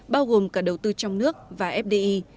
bao gồm cả đầu tư trong nước và fdi